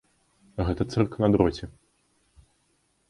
Гэта цырк на дроце!